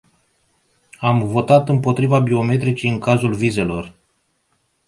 Am votat împotriva biometricii în cazul vizelor.